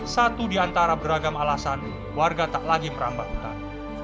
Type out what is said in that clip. inilah satu diantara beragam alasan warga tak lagi perambah hutan